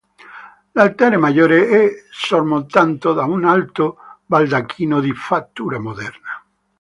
L'altare maggiore è sormontato da un alto baldacchino di fattura moderna.